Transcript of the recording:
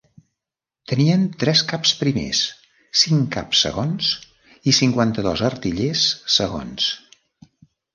Tenien tres caps primers, cinc caps segons i cinquanta-dos artillers segons.